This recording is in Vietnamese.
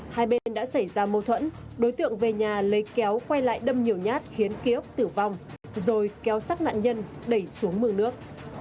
hai bên đã xảy ra mâu thuẫn đối tượng về nhà lấy kéo quay lại đâm nhiều nhát khiến kiosk tử vong rồi kéo sát nạn nhân đẩy xuống mương nước